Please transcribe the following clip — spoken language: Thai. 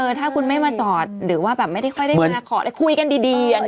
ถ้าคุณไม่มาจอดหรือว่าแบบไม่ได้ค่อยได้มาขออะไรคุยกันดีอย่างนี้